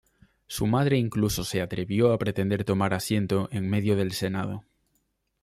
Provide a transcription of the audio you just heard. Su madre incluso se atrevió a pretender tomar asiento en medio del Senado.